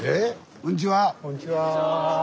こんにちは。